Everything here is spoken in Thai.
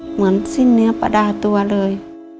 เหมือนสิ้นเนื้อประดาตัวเลย